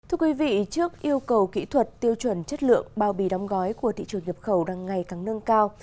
thưa quý vị trước yêu cầu kỹ thuật tiêu chuẩn chất lượng bao bì đóng gói của thị trường nhập khẩu đang ngày càng nâng cao